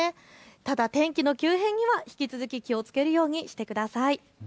ただ天気の急変には引き続き気をつけるようにしてください。